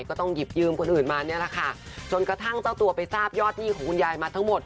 ก็ต้องหยิบยืมคนอื่นมาเนี่ยแหละค่ะจนกระทั่งเจ้าตัวไปทราบยอดหนี้ของคุณยายมาทั้งหมด